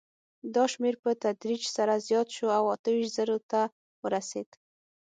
دا شمېر په تدریج سره زیات شو او اته ویشت زرو ته ورسېد.